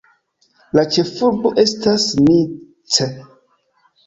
La ĉefurbo estas Nice.